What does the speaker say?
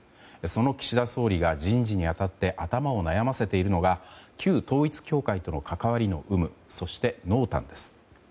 その岸田総理が人事に当たって頭を悩ませているのが旧統一教会との関わりの有無そして、濃淡です。